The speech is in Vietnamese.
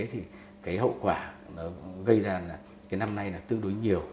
thì cái hậu quả gây ra cái năm nay là tương đối nhiều